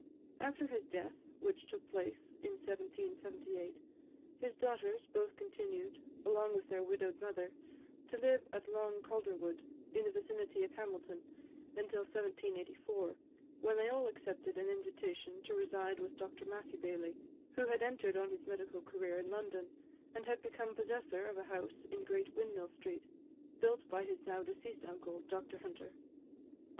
After his death, which took place in 1778, his daughters both continued, along with their widowed mother, to live at Long Calderwood, in the vicinity of Hamilton, until 1784, when they all accepted an invitation to reside with Dr Matthew Baillie, who had entered on his medical career in London, and had become possessor of a house in Great Windmill Street, built by his now deceased uncle, Dr Hunter.